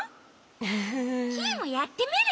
フフフ。キイもやってみる！